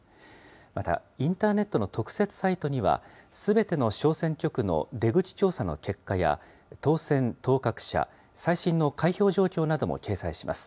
また、インターネットの特設サイトには、すべての小選挙区の出口調査の結果や、当選、当確者、最新の開票状況なども掲載します。